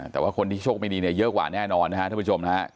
แต่ว่าคนที่โชคไม่ดีเนี่ยเยอะกว่าแน่นอนนะครับท่านผู้ชมนะฮะ